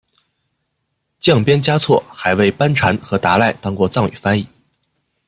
降边嘉措还为班禅和达赖当过藏语翻译。